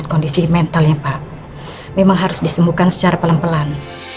kondisi mentalnya pak memang harus disembuhkan secara pelan pelan